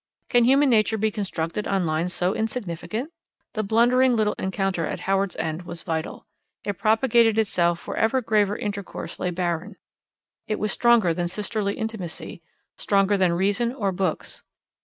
Can human nature be constructed on lines so insignificant? The blundering little encounter at Howards End was vital. It propagated itself where graver intercourse lay barren; it was stronger than sisterly intimacy, stronger than reason or books.